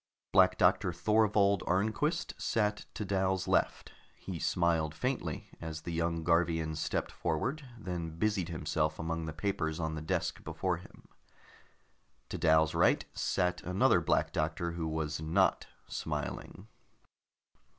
Black Doctor Thorvold Arnquist sat to Dal's left; he smiled faintly as the young Garvian stepped forward, then busied himself among the papers on the desk before him. To Dal's right sat another Black Doctor who was not smiling.